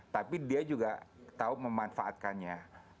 tapi dia juga tahu memanfaatkannya